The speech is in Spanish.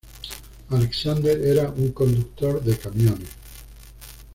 Alexander era un conductor de camiones.